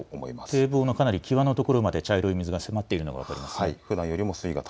堤防の際のところまで茶色い水が迫っているのが分かります。